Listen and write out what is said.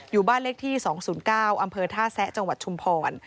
อยู่บ้านเลขที่๒๐๙อำเภอท่าแซะจังหวัดชุมพร